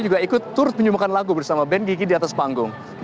juga ikut turut menyumbangkan lagu bersama ben gigi